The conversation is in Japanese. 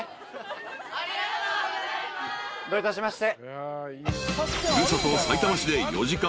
どういたしまして。